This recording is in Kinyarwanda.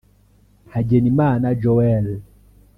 Hagenimana Joel